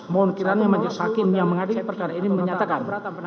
mohon kiranya majid sakin yang mengadil perkara ini menyatakan